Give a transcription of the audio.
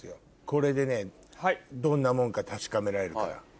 これでねどんなもんか確かめられるから。